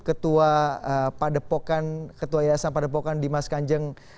ketua padepokan ketua yayasan padepokan dimas kanjeng